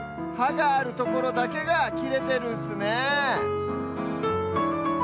があるところだけがきれてるんすねえ